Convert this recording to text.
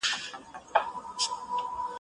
افغان اتلان زنده باد!